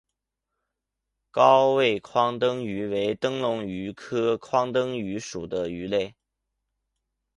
高位眶灯鱼为灯笼鱼科眶灯鱼属的鱼类。